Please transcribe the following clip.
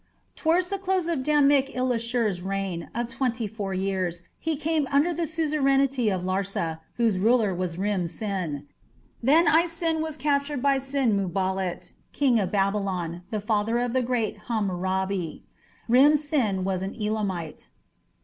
Towards the close of Damik ilishu's reign of twenty four years he came under the suzerainty of Larsa, whose ruler was Rim Sin. Then Isin was captured by Sin muballit, King of Babylon, the father of the great Hammurabi. Rim Sin was an Elamite.